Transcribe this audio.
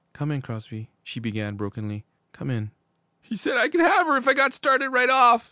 'Come in Crosby ' she began brokenly, 'come in ' 'He said _I could have her if I got started right off!